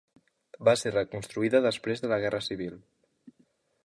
Va ser reconstruïda després de la Guerra Civil.